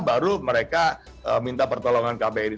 baru mereka minta pertolongan kbri